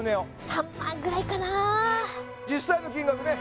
３００００ぐらいかな実際の金額ね